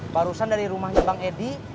barusan dari rumahnya bang edi